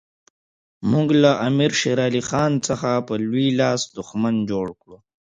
موږ له امیر شېر علي خان څخه په لوی لاس دښمن جوړ کړ.